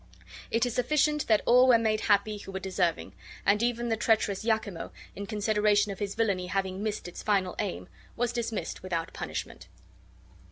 It is sufficient that all were made happy who were deserving; and even the treacherous Iachimo, in consideration of his villainy having missed its final aim, was dismissed without punishment.